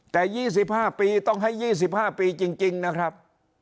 แต่๒๕ปีต้องให้๒๕ปีจริงนะครับ